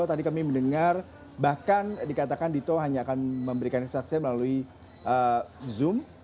tadi kami mendengar bahkan dikatakan dito hanya akan memberikan kesaksian melalui zoom